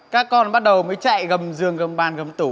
các con bắt đầu mới chạy gầm giường gầm bàn gầm tủ